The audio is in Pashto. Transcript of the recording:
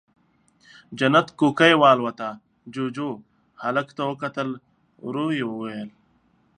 جنت کوکۍ والوته، جُوجُو، هلک ته وکتل، ورو يې وويل: